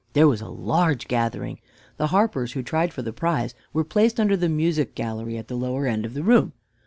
There was a large gathering. The harpers who tried for the prize were placed under the music gallery at the lower end of the room.